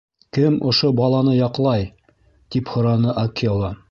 — Кем ошо баланы яҡлай? — тип һораны Акела.